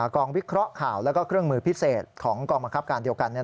วิเคราะห์ข่าวแล้วก็เครื่องมือพิเศษของกองบังคับการเดียวกัน